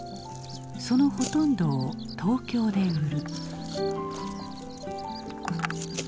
そのほとんどを東京で売る。